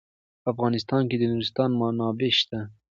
په افغانستان کې د نورستان منابع شته.